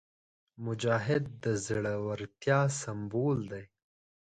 مجاهد د زړورتیا سمبول وي.